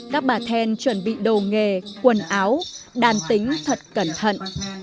các bà then chuẩn bị đồ nghề quần áo đàn tính thật cẩn thận